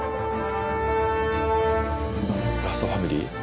ラストファミリー？